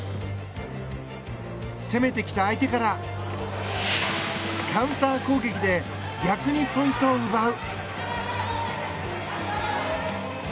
攻めてきた相手からカウンター攻撃で逆にポイントを奪う。